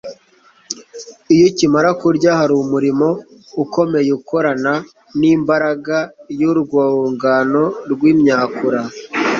iyo ukimara kurya, hari umurimo ukomeye ukorana n'imbaraga y'urwungano rw'imyakura